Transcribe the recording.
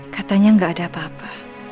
katanya gak ada apa apa